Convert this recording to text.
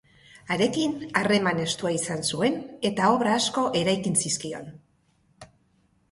Harekin harreman estua izan zuen, eta obra asko eskaini zizkion.